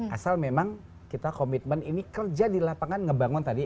asal memang kita komitmen ini kerja di lapangan ngebangun tadi